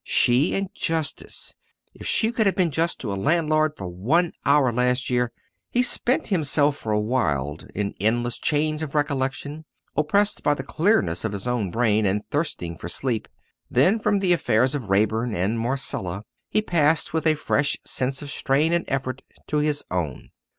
She and justice! If she could have been just to a landlord for one hour last year " He spent himself for a while in endless chains of recollection, oppressed by the clearness of his own brain, and thirsting for sleep. Then from the affairs of Raeburn and Marcella, he passed with a fresh sense of strain and effort to his own.